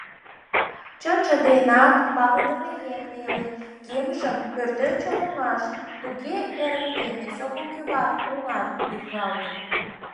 Чынже денак, палыдыме еҥ неле кемжым пӧртӧнчыл оҥаш туге эрыктен, эсогыл кӱвар оҥат лӱҥгалтын.